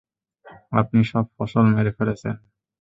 আপনি সব ফসল মেরে ফেলেছেন।